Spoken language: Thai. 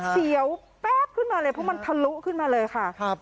เสียวแป๊บขึ้นมาเลยเพราะมันทะลุขึ้นมาเลยค่ะ